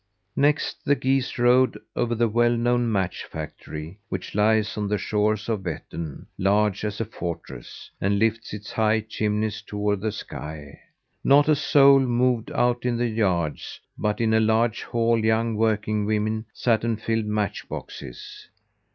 Next, the geese rode over the well known match factory, which lies on the shores of Vettern large as a fortress and lifts its high chimneys toward the sky. Not a soul moved out in the yards; but in a large hall young working women sat and filled match boxes.